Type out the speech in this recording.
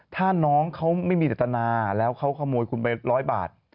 ถ้าน้องเขาไม่มีจัตนาแล้วเขาขโมยคุณไป๑๐๐บาท